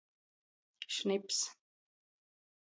Šnips.